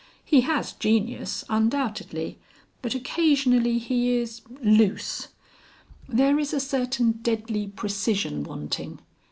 He has genius undoubtedly, but occasionally he is loose. There is a certain deadly precision wanting.